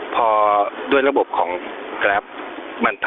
พอด้วยระบบของแกรป